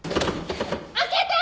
開けて！！